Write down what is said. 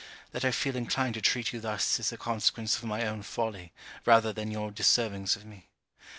That I feel inclined to treat you thus is the consequence of my own folly, rather than your deservings of me.